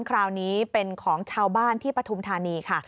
คราวนี้เป็นของชาวบ้านที่ปฐุมธานีค่ะ